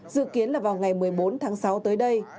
dự kiến là vào ngày một mươi bốn tháng sáu tới đây